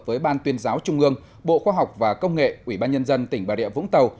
với ban tuyên giáo trung ương bộ khoa học và công nghệ ubnd tỉnh bà rịa vũng tàu